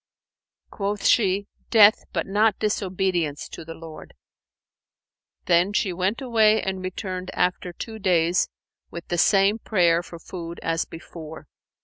Quoth she, 'Death, but not disobedience to the Lord!' Then she went away and returned after two days with the same prayer for food as before.